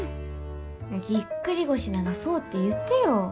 ギックリ腰ならそうって言ってよ。